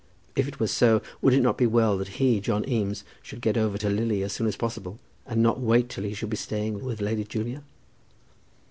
If it were so, would it not be well that he, John Eames, should get over to Lily as soon as possible, and not wait till he should be staying with Lady Julia?